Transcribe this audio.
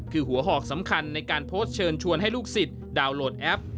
คือหัวหอกสำคัญในการโพสต์เชิญชวนให้ลูกศิษย์ดาวน์โหลดแอป